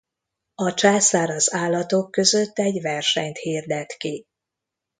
A császár az állatok között egy versenyt hirdet ki.